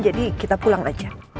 jadi kita pulang aja